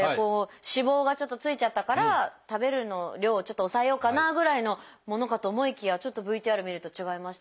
脂肪がちょっとついちゃったから食べる量をちょっと抑えようかなぐらいのものかと思いきやちょっとＶＴＲ見ると違いましたね。